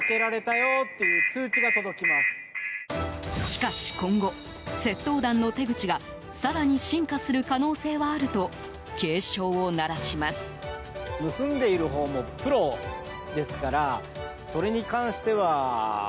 しかし今後、窃盗団の手口が更に進化する可能性はあると警鐘を鳴らします。